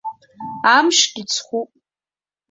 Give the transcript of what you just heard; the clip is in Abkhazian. Амшгьы ҵхуп.